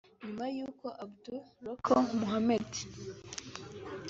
nyuma y’uko Aboud Rogo Mohammed